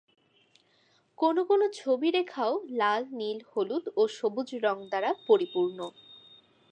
কোনও কোনও ছবি রেখা ও লাল, নীল, হলুদ ও সবুজ রং দ্বারা পরিপূর্ণ।